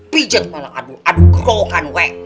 pijit aduh aduh aduh groh kan weh